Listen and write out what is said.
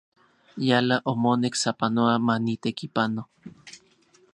Yala omonek sapanoa manitekipano.